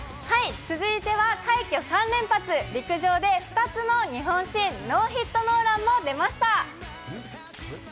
続いては快挙３連発、陸上で２つの日本新、ノーヒットノーランも出ました。